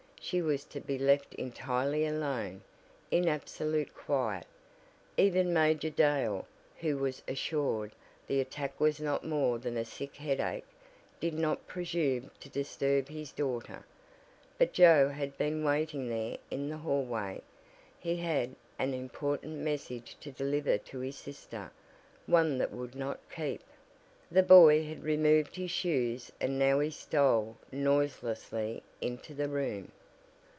She was to be left entirely alone, in absolute quiet; even Major Dale, who was assured the attack was not more than a sick headache, did not presume to disturb his daughter, but Joe had been waiting there in the hallway. He had an important message to deliver to his sister, one that "would not keep." The boy had removed his shoes and now he stole noiselessly into the room.